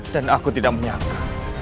dan aku tidak menyangka